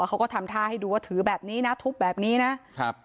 เขาก็ทำท่าให้ดูว่าถือแบบนี้นะทุบแบบนี้นะครับ